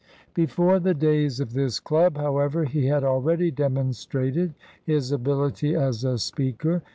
Before the days of this club, however, he had already demonstrated his ability as a speaker.